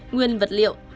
nguyên vật liệu